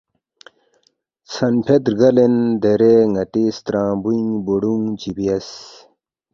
ژھن فید رگالین دیرے ناتی سترنگبوئینگ بوڑونگ چی بیاس